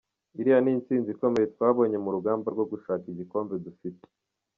Iriya ni intsinzi ikomeye twabonye mu rugamba rwo gushaka igikombe dufite.